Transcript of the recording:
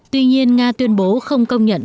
tuy nhiên nga tuyên bố không công nhận